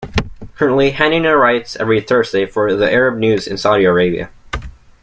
Currently, Hanania writes every Thursday for the Arab News in Saudi Arabia.